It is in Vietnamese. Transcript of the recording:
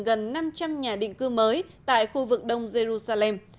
gần năm trăm linh nhà định cư mới tại khu vực đông jerusalem